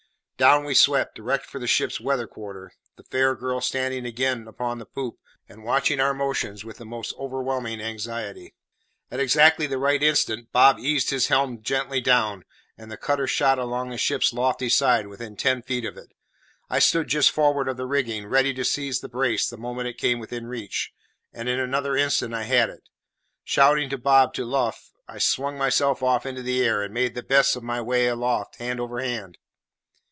Down we swept direct for the ship's weather quarter, the fair girl standing again upon the poop and watching our motions with the most overwhelming anxiety. At exactly the right instant, Bob eased his helm gently down, and the cutter shot along the ship's lofty side within ten feet of it. I stood just forward of the rigging, ready to seize the brace the moment it came within reach, and in another instant I had it. Shouting to Bob to luff, I swung myself off into the air, and made the best of my way aloft hand over hand.